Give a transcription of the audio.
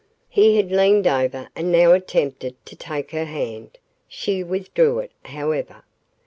He had leaned over and now attempted to take her hand. She withdrew it, however.